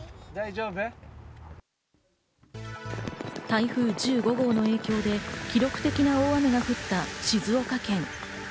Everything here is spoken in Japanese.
台風１５号の影響で記録的な大雨が降った静岡県。